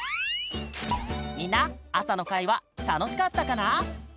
みんなあさのかいはたのしかったかな？